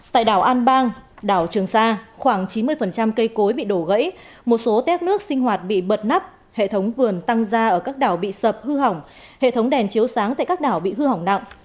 tại đảo an bang đảo trường sa khoảng chín mươi cây cối bị đổ gãy một số tét nước sinh hoạt bị bật nắp hệ thống vườn tăng ra ở các đảo bị sập hư hỏng hệ thống đèn chiếu sáng tại các đảo bị hư hỏng nặng